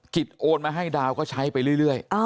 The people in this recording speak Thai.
โอนมาให้ดาวก็ใช้ไปเรื่อย